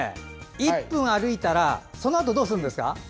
１分歩いたらそのあとどうするんですか。